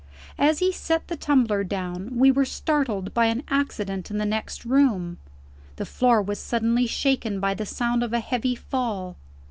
As he set the tumbler down, we were startled by an accident in the next room. The floor was suddenly shaken by the sound of a heavy fall.